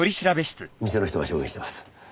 店の人が証言しています。